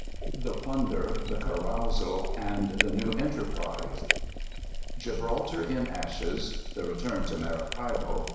The Plunder; the Carousal; and the New Enterprise. Gibraltar in Ashes. The Return to Maracaibo.